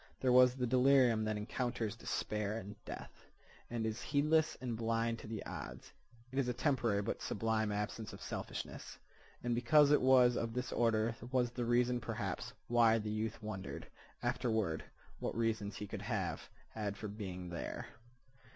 There was the delirium that encounters despair and death, and is heedless and blind to the odds. It is a temporary but sublime absence of selfishness. And because it was of this order was the reason, perhaps, why the youth wondered, afterward, what reasons he could have had for being there.